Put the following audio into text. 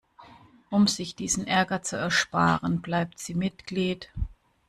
Um sich diesen Ärger zu ersparen, bleibt sie Mitglied.